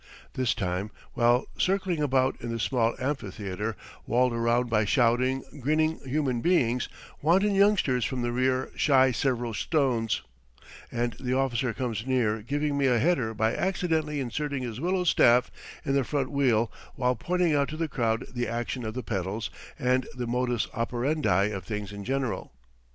This time, while circling about in the small amphitheatre, walled around by shouting, grinning human beings, wanton youngsters from the rear shy several stones, and the officer comes near giving me a header by accidentally inserting his willow staff in the front wheel while pointing out to the crowd the action of the pedals and the modus operandi of things in general.